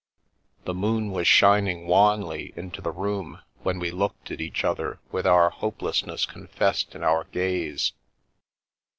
The moon was shining wanly into the room when we looked at each other with our hopelessness confessed in our gaze.